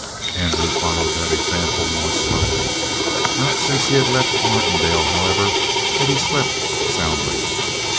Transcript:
Andrew followed that example more slowly. Not since he left Martindale, however, had he slept soundly.